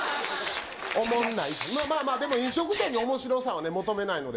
まあまあまあ、でも飲食店におもしろさは求めないので。